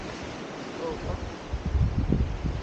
Roupa?